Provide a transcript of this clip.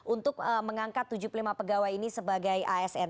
untuk mengangkat tujuh puluh lima pegawai ini sebagai asn